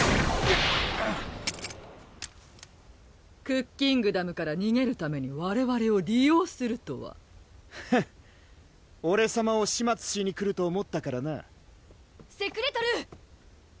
クッキングダムからにげるためにわれわれを利用するとはフッオレさまを始末しに来ると思ったからな・セクレトルー！